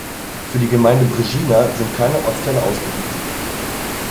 Für die Gemeinde Březina sind keine Ortsteile ausgewiesen.